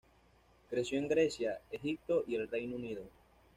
Creció en Grecia, Egipto y el Reino Unido.